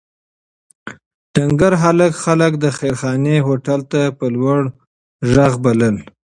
ډنکر هلک خلک د خیرخانې هوټل ته په لوړ غږ بلل.